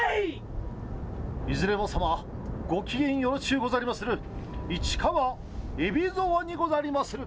いずれもさま、ご機嫌よろしゅうござりまする。